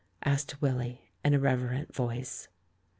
asked Willy in a reverent voice.